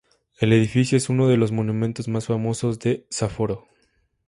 El edificio es uno de los monumentos más famosos de Sapporo.